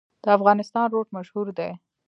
د افغانستان روټ مشهور دی